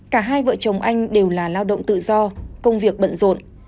cả hai vợ chồng anh đều là lao động tự do công việc bận rộn